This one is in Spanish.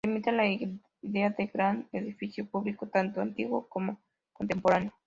Remite a la idea de gran edificio público, tanto antiguo como contemporáneo.